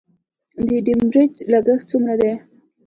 د ډیمریج لګښت څومره دی؟